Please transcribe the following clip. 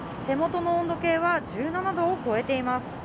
手元の温度計は１７度を超えています。